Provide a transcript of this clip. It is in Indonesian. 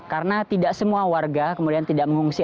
karena tidak semua warga kemudian tidak mengungsi